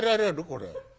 これ。